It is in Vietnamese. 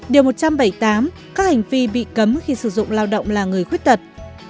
điều một trăm bảy mươi tám các hành vi bị cấm khi sử dụng lao động là người khuyết tật